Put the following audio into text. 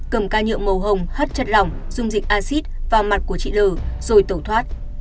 cầm ca nhựa màu hồng hất chất lỏng dung dịch axit vào mặt của chị l rồi tẩu thoát